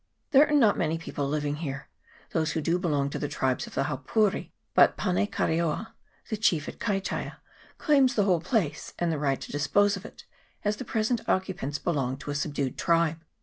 There are not many people living here : those who do belong to the tribes of the Haupouri, but Pane Kareao, the chief at Kaitaia, claims the whole place and the right to dispose of it, as the present occupants belong to a subdued tribe.